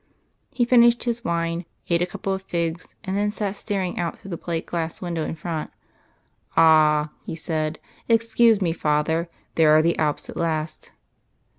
He finished his wine, ate a couple of figs, and then sat staring out through the plate glass window in front. "Ah!" he said. "Excuse me, father. There are the Alps at last."